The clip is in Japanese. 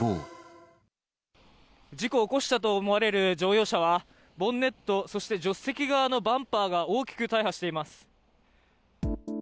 事故を起こしたと思われる乗用車は、ボンネット、そして助手席側のバンパーが大きく大破しています。